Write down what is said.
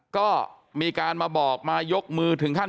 ก็มีการมาบอกมายกมือถึงขั้น